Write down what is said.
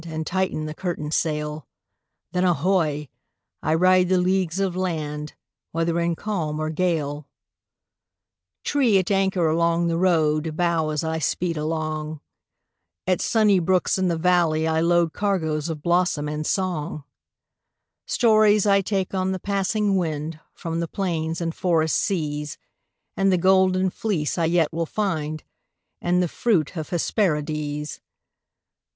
And tighten the curtain sail, Then, ahoy! I ride the leagues of land. Whether in calm or gale. 38 Preparedness Trees at anchor along the road Bow as I speed along; At sunny brooks in the valley I load Cargoes of blossom and song; Stories I take on the passing wind From the plains and forest seas, And the Golden Fleece I yet will find, And the fruit of Hesperides.